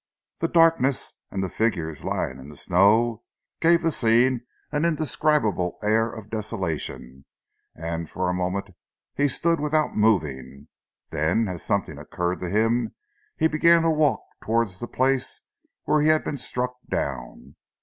The darkness, and the figures lying in the snow gave the scene an indescribable air of desolation, and for a moment he stood without moving; then, as something occurred to him, he began to walk towards the place where he had been struck down.